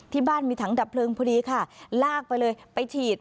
ที่บ้านมีถังดับเพลิงพอดีค่ะลากไปเลยไปฉีด